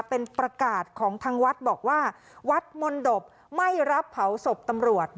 เป็นประกาศของทางวัดบอกว่าวัดมนตบไม่รับเผาศพตำรวจ